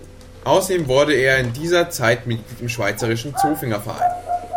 Ausserdem wurde er in dieser Zeit Mitglied im Schweizerischen Zofingerverein.